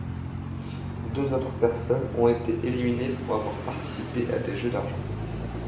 Deux autres personnes ont été éliminées pour avoir participé à des jeux d'argent.